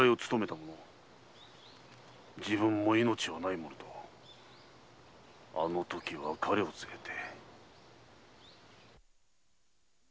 自分も命はないものとあのとき別れを告げて。